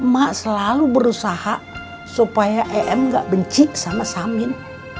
mak selalu berusaha supaya em gak bencik sama samin